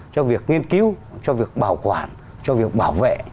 cho việc nghiên cứu cho việc bảo quản cho việc bảo vệ